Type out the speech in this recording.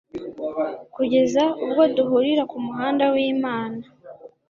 kugeza ubwo duhurira kumuhanda wimana